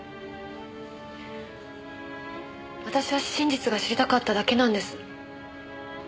私は真実が知りたかっただけなんです。